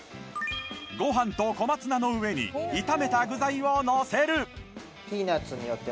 ご飯と小松菜の上に炒めた具材をのせる